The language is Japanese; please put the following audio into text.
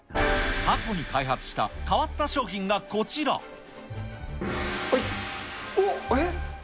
過去に開発した変わった商品おっ、えっ？